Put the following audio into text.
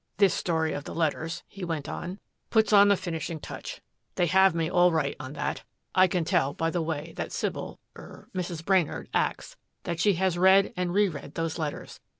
"This story of the letters," he went on, "puts on the finishing touch. They have me all right on that. I can tell by the way that Sybil er, Mrs. Brainard acts, that she has read and reread those letters.